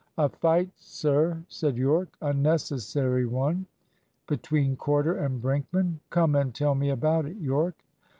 "A fight, sir," said Yorke. "A necessary one." "Between Corder and Brinkman? Come and tell me about it, Yorke."